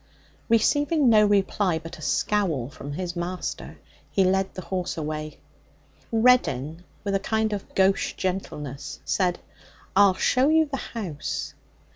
Receiving no reply but a scowl from his master, he led the horse away. Reddin, with a kind of gauche gentleness, said: 'I'll show you the house.'